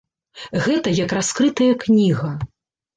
Гэта як раскрытая кніга.